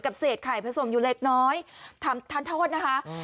กับเสร็จไข่ผสมอยู่เล็กน้อยทำทานทอดนะคะอืม